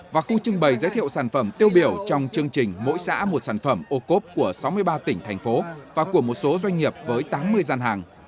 và khu trưng bày giới thiệu sản phẩm tiêu biểu trong chương trình mỗi xã một sản phẩm ô cốp của sáu mươi ba tỉnh thành phố và của một số doanh nghiệp với tám mươi gian hàng